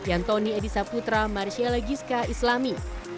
antoni edisa putra marisiela giska islami